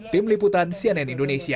tim liputan cnn indonesia